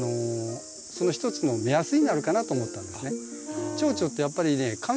その一つの目安になるかなと思ったんですね。